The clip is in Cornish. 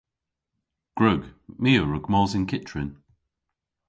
Gwrug. My a wrug mos yn kyttrin.